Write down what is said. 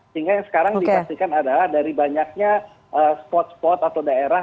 sehingga yang sekarang dipastikan adalah dari banyaknya spot spot atau daerah